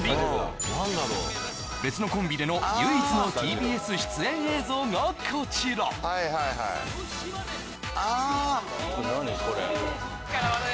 別のコンビでの唯一のＴＢＳ出演映像がこちらああ何？